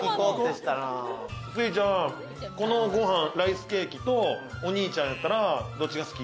すいちゃんこのご飯、ライスケーキとお兄ちゃんやったらどっちが好き？